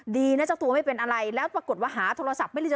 ดีนะเจ้าตัวไม่เป็นอะไรแล้วปรากฏว่าหาโทรศัพท์ไม่ได้เจอ